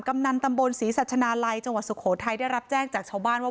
กำนันตำบลศรีสัชนาลัยจังหวัดสุโขทัยได้รับแจ้งจากชาวบ้านว่า